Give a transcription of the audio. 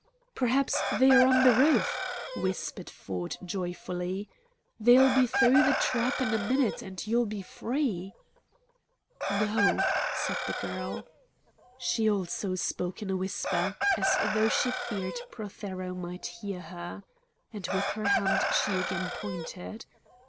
"Perhaps they are on the roof,"' whispered Ford joyfully. "They'll be through the trap in a minute, and you'll be free!" "No!" said the girl. She also spoke in a whisper, as though she feared Prothero might hear her. And with her hand she again pointed.